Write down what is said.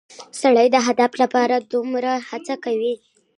سړی د هدف لپاره دوامداره هڅه کوي